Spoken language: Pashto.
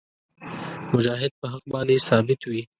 مجاهد په حق باندې ثابت وي.